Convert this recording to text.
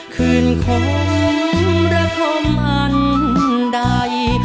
ขึ้นของรักของมันได้